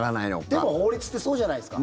でも法律ってそうじゃないですか。